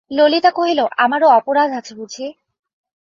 ললিতা কহিল, আমারও অপরাধ আছে বুঝি?